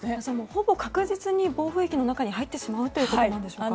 ほぼ確実に暴風域の中に入ってしまうということでしょうか。